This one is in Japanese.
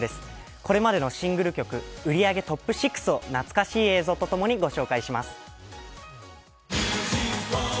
これまでのシングル曲売り上げトップ６を懐かしい映像と共にお届けします。